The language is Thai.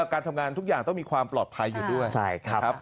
การทำงานทุกอย่างต้องมีความปลอดภัยอยู่ด้วย